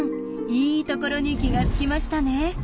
いいところに気がつきましたね。